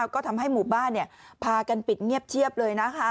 ก็ทำให้หมู่บ้านพากันปิดเงียบเชียบเลยนะคะ